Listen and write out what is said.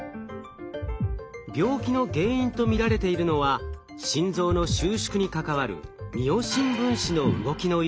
病気の原因と見られているのは心臓の収縮に関わるミオシン分子の動きの異常。